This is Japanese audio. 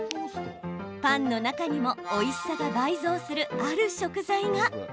パンの中にもおいしさが倍増するある食材が。